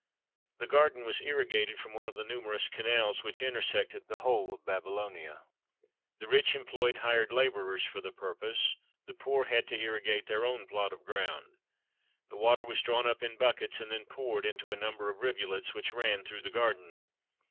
The garden was irrigated from one of the numerous canals which intersected the whole of Babylonia. The rich employed hired laborers for the purpose; the poor had to irrigate their own plot of ground. The water was drawn up in buckets and then poured into a number of rivulets which ran through the garden.